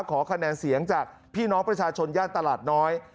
ขอคะแนนเสียงจากพี่น้องประชาชนย่านตลาดน้อย